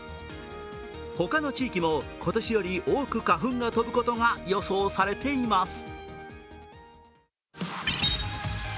他の地域も今年より多く花粉が飛ぶことが予想されています。